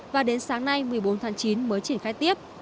và đến sáng nay một mươi bốn tháng chín mới triển khai tiếp